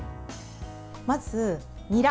まず、にら。